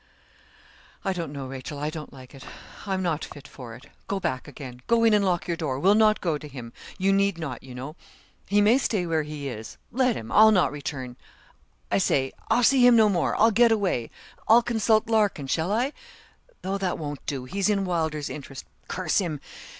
'I don't know, Rachel I don't like it I'm not fit for it. Go back again go in and lock your door we'll not go to him you need not, you know. He may stay where he is let him I'll not return. I say, I'll see him no more. I'll get away. I'll consult Larkin shall I? Though that won't do he's in Wylder's interest curse him.